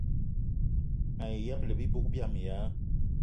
Mayi ṅyëbëla bibug biama ya